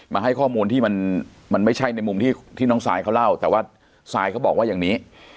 มาให้ข้อมูลที่มันไม่ใช่ในมุมที่น้องซายเขาเล่าแต่ว่าซายเขาบอกว่าอย่างนี้